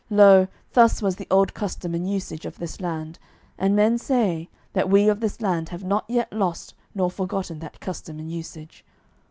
Lo, thus was the old custom and usage of this land, and men say, that we of this land have not yet lost nor forgotten that custom and usage.